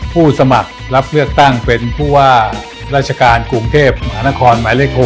ผู้สมัครรับเลือกตั้งเป็นผู้ว่าราชการกรุงเทพมหานครหมายเลข๖